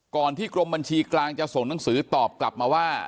ที่กรมบัญชีกลางจะส่งหนังสือตอบกลับมาว่า